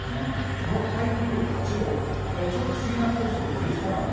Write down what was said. この台風８号ちょっと不思議なコースを取りそうなんです。